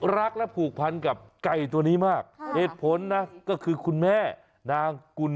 รักและผูกพันกันมาก